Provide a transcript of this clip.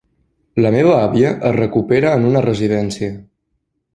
La meva àvia es recupera en una residència.